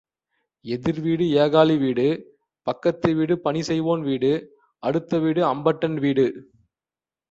எதிர் வீடு ஏகாலி வீடு பக்கத்து வீடு பணி செய்வோன் வீடு அடுத்த வீடு அம்பட்டன் வீடு.